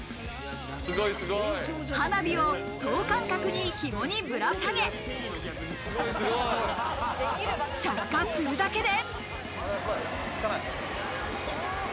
花火を等間隔に紐にぶら下げ、着火するだけで。